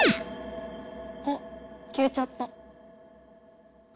あきえちゃった。